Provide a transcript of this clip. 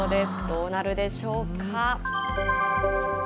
どうなるでしょうか。